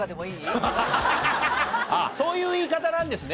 そういう言い方なんですね。